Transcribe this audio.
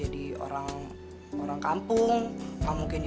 dan orang lain juga nama saya